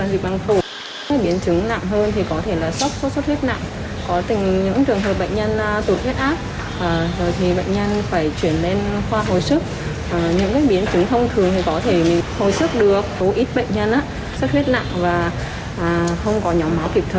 có ít bệnh nhân sốt huyết nặng và không có nhỏ máu kịp thời hiếm lắm sẽ gặp trường hợp tự phong